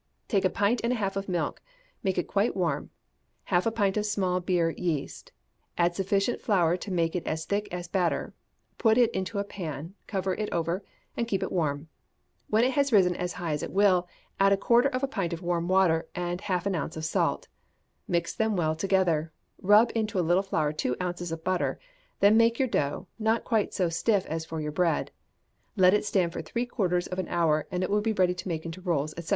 Take a pint and a half of milk; make it quite warm; half a pint of small beer yeast; add sufficient flour to make it as thick as batter; put it into a pan; cover it over, and keep it warm: when it has risen as high as it will, add a quarter of a pint of warm water, and half an ounce of salt, mix them well together, rub into a little flour two ounces of butter; then make your dough, not quite so stiff as for your bread; let it stand for three quarters of an hour, and it will be ready to make into rolls, &c.